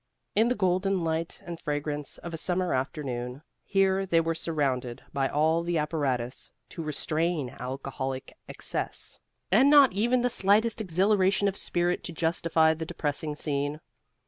In the golden light and fragrance of a summer afternoon, here they were surrounded by all the apparatus to restrain alcoholic excess, and not even the slightest exhilaration of spirit to justify the depressing scene.